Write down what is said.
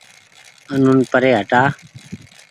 آنون پري هٽآ